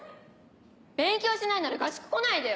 勉強しないなら合宿来ないでよ！